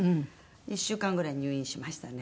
１週間ぐらい入院しましたね。